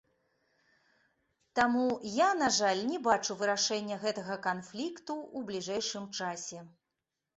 Таму я, на жаль, не бачу вырашэння гэтага канфлікту ў бліжэйшым часе.